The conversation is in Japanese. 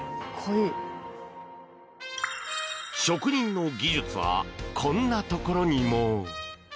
職人の技術はこんなところにも。